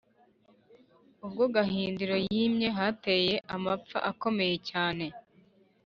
ubwo gahindiro yimye hateye amapfa akomeye cyane,